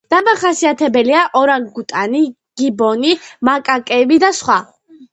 დამახასიათებელია ორანგუტანი, გიბონი, მაკაკები და სხვა.